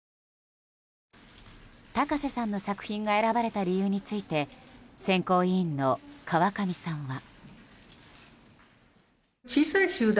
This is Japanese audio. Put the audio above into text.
高瀬さんの作品が選ばれた理由について選考委員の川上さんは。